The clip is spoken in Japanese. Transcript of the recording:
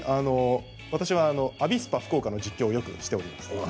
私はアビスパ福岡の実況をよくしております。